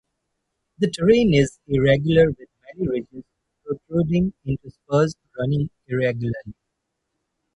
The terrain is irregular with many ridges protruding into spurs running irregularly.